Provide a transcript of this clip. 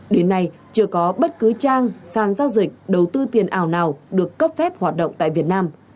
đến nay chưa có bất cứ trang sàn giao dịch đầu tư tiền ảo nào được cấp phép hoạt động tại việt nam